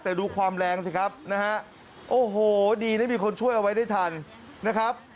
แต่ดูความแรงสิครับนะฮะโอ้โหดีนะมีคนช่วยเอาไว้ได้ทันนะครับ